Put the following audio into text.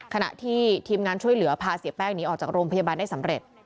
ขณะที่ทีมงานช่วยเหลือพาเสียแป้งหนีออกจากโรงพยาบาลได้สำเร็จ